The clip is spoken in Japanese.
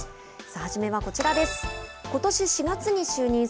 初めはこちらです。